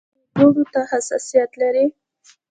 ایا دوړو ته حساسیت لرئ؟